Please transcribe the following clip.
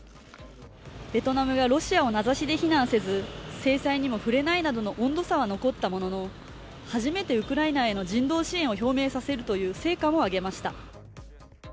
ベトナムがロシアを名指しで非難せず制裁にも触れないなどの温度差は残ったものの初めてウクライナへの人道支援を表明させるという成果も上げました。